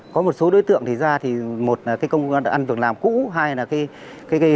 có một số đối tượng thì ra thì một là cái công an được làm cũ hai là cái